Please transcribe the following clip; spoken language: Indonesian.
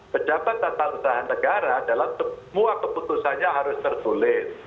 pejabat tata usaha negara dalam semua keputusannya harus tertulis